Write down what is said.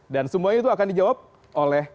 dan semuanya itu akan dijawab oleh